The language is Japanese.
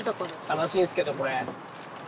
悲しいんすけどこれ。